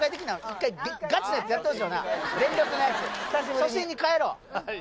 初心にかえろう。